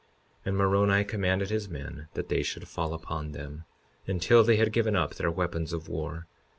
52:32 And Moroni commanded his men that they should fall upon them until they had given up their weapons of war.